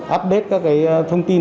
update các thông tin